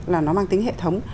là nó mang tính hệ thống